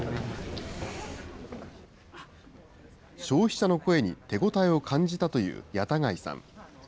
消費者の声に、手応えを感じたという矢田貝さん。